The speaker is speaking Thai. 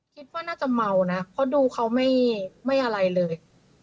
คิดว่าน่าจะเมานะเพราะดูเขาไม่อะไรเลย